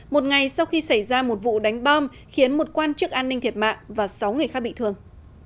một ngày sau khi xảy ra một vụ đánh bom khiến một quan chức an ninh thiệt mạng và sáu người khác bị thương